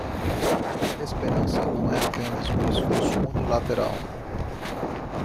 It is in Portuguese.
Esperança não é apenas um esforço unilateral